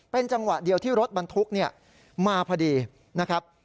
เป็นจังหวะเดียวที่รถบรรทุกมาพอดีนะครับ